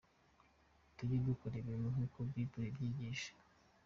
Tujye dukora ibintu nkuko bible ibyigisha.